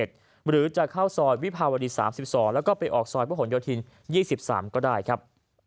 หรือจะเข้าซอยวิภาวดี๓๒แล้วก็ไปออกซอยพระหลโยธิน๒๓ก็ได้ครับ